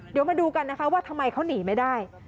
เดี๋ยวมาดูกันนะคะว่าทำไมเขาหนีไม่ได้